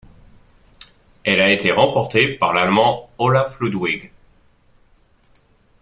Elle a été remportée par l'Allemand Olaf Ludwig.